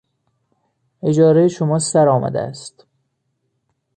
اجارهی شما سر آمده است.